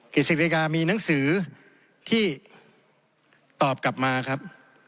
กิจศิริกามีหนังสือที่ตอบกลับมาครับ